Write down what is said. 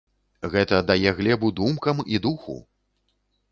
Гэта дае глебу думкам і духу!